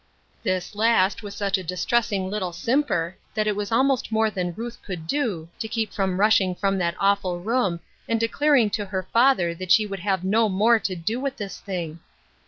This last with such a distressing little simper that it was almost more than Ruth could do to Bitter Rerbs. 66 keep from rubliiug from that awful room, and decliiriiig to her father that she would have no more to do with this thing.